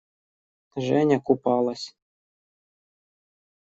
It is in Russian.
Женя купалась.